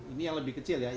ini yang lebih kecil ya